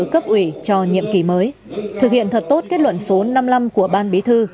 cấp ủy cho nhiệm kỳ mới thực hiện thật tốt kết luận số năm mươi năm của ban bí thư